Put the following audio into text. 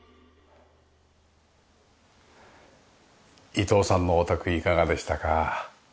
伊藤さんのお宅いかがでしたか？